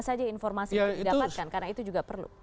saja informasi yang didapatkan karena itu juga perlu